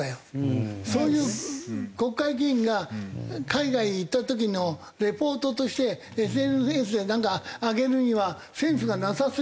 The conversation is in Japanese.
そういう国会議員が海外へ行った時のレポートとしてＳＮＳでなんか上げるにはセンスがなさすぎるって。